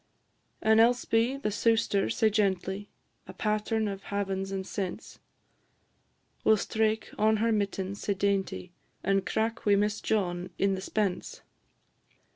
And Elspy, the sewster, sae genty A pattern of havens and sense Will straik on her mittens sae dainty, And crack wi' Mess John in the spence.